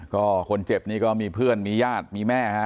ก็คนเจ็บนี่ก็มีเพื่อนมีญาติมีแม่ฮะ